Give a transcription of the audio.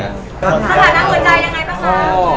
สถานะหัวใจยังไงบ้างคะ